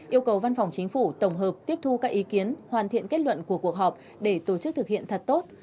yêu cầu văn phòng chính phủ tổng hợp tiếp thu các ý kiến hoàn thiện kết luận của cuộc họp để tổ chức thực hiện thật tốt